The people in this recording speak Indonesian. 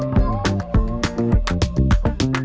itu adalah kenesayaan politik